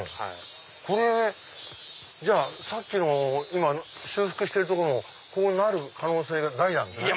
これじゃあさっきの修復してる所もこうなる可能性が大なんですね。